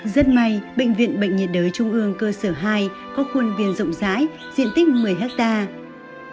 rất may bệnh viện bệnh nhiệt đới trung ương cơ sở hai có khuôn viên rộng rãi diện tích một mươi hectare